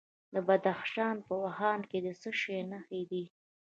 د بدخشان په واخان کې د څه شي نښې دي؟